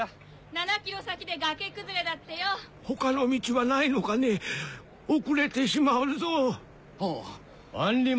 ・７ｋｍ先で崖崩れだってよ・他の道はないのかね遅れてしまうぞ。